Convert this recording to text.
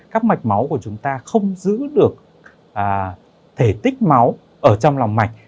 các mạch máu của chúng ta không giữ được thể tích máu ở trong lòng mạch